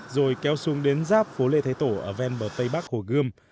rồi kéo xuống đến ráp phố lê thái tổ ở ven bờ tây bắc hồ gươm